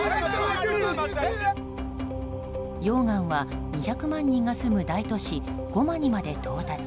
溶岩は２００万人が住む大都市ゴマにまで到達。